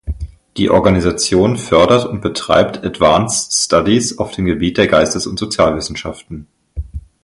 Die Organisation fördert und betreibt "Advanced Studies" auf dem Gebiet der Geistes- und Sozialwissenschaften.